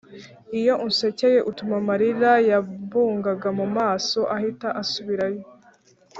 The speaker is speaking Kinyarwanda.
iyo unsekeye utuma amarira yambugaga mu maso ahita asubirayo